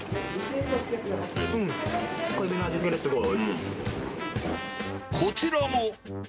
濃いめの味付けですごいおいこちらも。